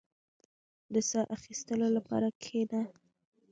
• د ساه اخيستلو لپاره کښېنه.